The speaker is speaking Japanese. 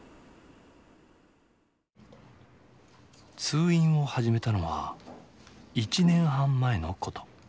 通院を始めたのは１年半前のこと。